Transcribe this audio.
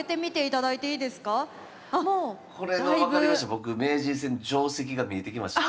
僕名人戦の定跡が見えてきました。